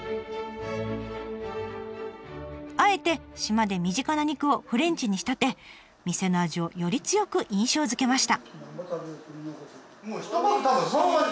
あえて島で身近な肉をフレンチに仕立て店の味をより強く印象づけました。